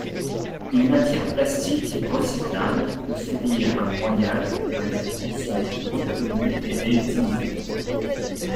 Une matière plastique recyclable peut subir un broyage pour être ensuite refondue et réutilisée.